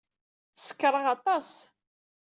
Sekṛeɣ aṭas.